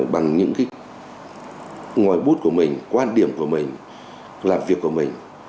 bằng những cái ngòi bút của mình quan điểm của mình làm việc của mình